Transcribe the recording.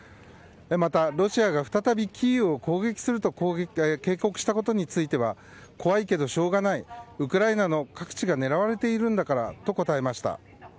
また、ロシアが再びキーウを攻撃すると警告したことについては怖いけどしょうがないウクライナの各地が狙われているからと答えました。